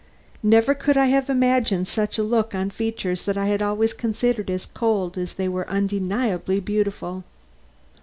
Never could I have imagined such a look on features I had always considered as cold as they were undeniably beautiful.